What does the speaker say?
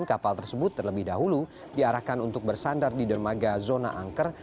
kapal tersebut terlebih dahulu diarahkan untuk bersandar di dermaga zona angker